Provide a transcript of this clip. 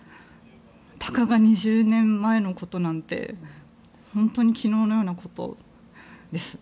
たかが２０年前のことなんて本当に昨日のようなことです。